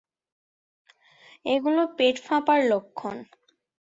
এগুলো পেট ফাঁপার লক্ষণ।